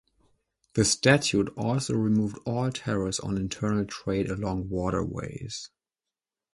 The statute also removed all tariffs on internal trade along waterways.